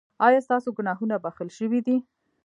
ایا ستاسو ګناهونه بښل شوي دي؟